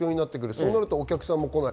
そうするとお客さんもこない。